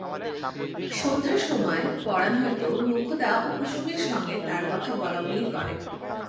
সন্ধ্যার সময় পরাণ হয়তো মোক্ষদা ও কুসুমের সঙ্গে তার কথা বলাবলি করে।